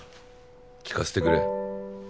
聞かせてくれ。